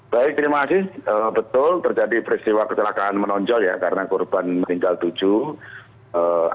baik terima kasih betul terjadi peristiwa kecelakaan menonjol ya karena korban meninggal tujuh